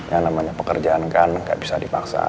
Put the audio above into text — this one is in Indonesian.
yang namanya pekerjaan kan nggak bisa dipaksa